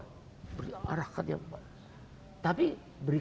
dia berusia dua belas tahun